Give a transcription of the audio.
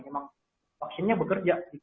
memang vaksinnya bekerja